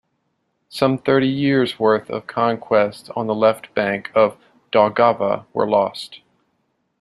Some thirty years' worth of conquests on the left bank of Daugava were lost.